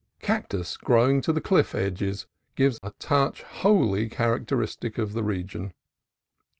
Cactus growing to the cliff edges gives a touch wholly char acteristic of the region.